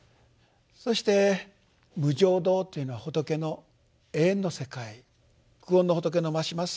そして「無上道」というのは仏の永遠の世界久遠の仏のまします